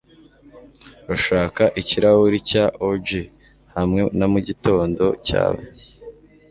Urashaka ikirahuri cya OJ hamwe na mugitondo cyawe?